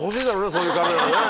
そういうカメラね。